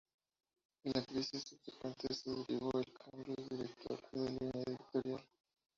De la crisis subsecuente se derivó el cambio de director y de línea editorial.